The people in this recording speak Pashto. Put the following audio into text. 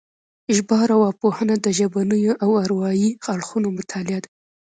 ژبارواپوهنه د ژبنيو او اروايي اړخونو مطالعه ده